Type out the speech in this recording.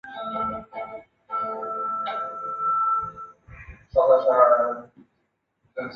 瘤枝杜鹃为杜鹃花科杜鹃属下的一个种。